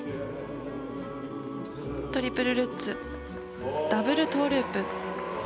トリプルルッツダブルトウループ。